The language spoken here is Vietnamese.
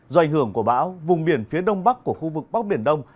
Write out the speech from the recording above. do ảnh hưởng của bão vùng biển phía đông bắc của khu vực bắc biển đông